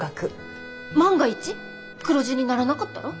万が一黒字にならなかったら？